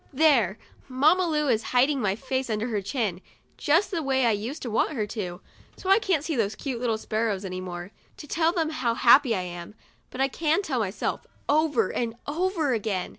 There ! Mamma Lu is hiding my face under her chin, just the way I used to want her too, so I can't see those cute sparrows any more, to tell them how happy I am. But I can tell myself, over and over again.